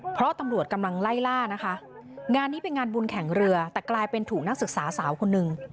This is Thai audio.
เพราะตำรวจกำลังไล่ล่านะคะงานนี้เป็นงานบุญแข่งเรือแต่กลายเป็นถูกนักศึกษาสาวคนหนึ่ง